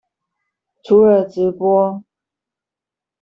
除了直播